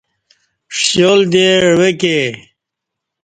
ݜیال دے عوہ ک ے